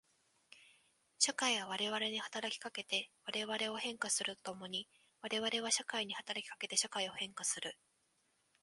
社会は我々に働きかけて我々を変化すると共に我々は社会に働きかけて社会を変化する。